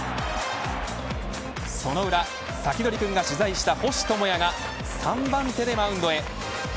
その裏、サキドリくんが取材した星知弥が３番手でマウンドへ。